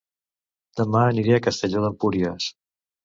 Dema aniré a Castelló d'Empúries